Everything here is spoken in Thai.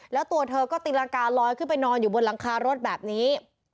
แล้วตัวเธอก็ตีรังกาลอยขึ้นไปนอนอยู่บนหลังคารถแบบนี้